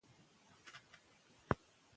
میرویس نیکه په مکه کې فتوا ترلاسه کړې وه.